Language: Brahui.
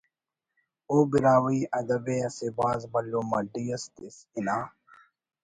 او براہوئی ادب ءِ اسہ بھاز بھلو مڈی اس تس ہنا